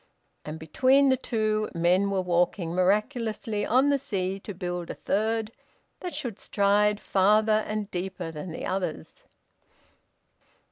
And, between the two, men were walking miraculously on the sea to build a third, that should stride farther and deeper than the others.